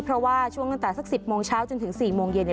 เพราะว่าช่วงตั้งแต่สัก๑๐โมงเช้าจนถึง๔โมงเย็นเนี่ย